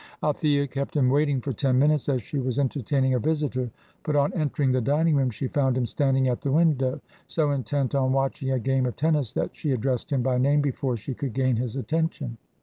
Althea kept him waiting for ten minutes, as she was entertaining a visitor; but on entering the dining room she found him standing at the window, so intent on watching a game of tennis that she addressed him by name before she could gain his attention.